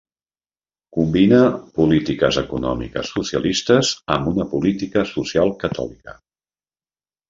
Combina polítiques econòmiques socialistes amb una política social catòlica.